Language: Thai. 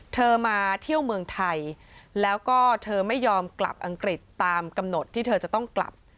มาเที่ยวเมืองไทยแล้วก็เธอไม่ยอมกลับอังกฤษตามกำหนดที่เธอจะต้องกลับ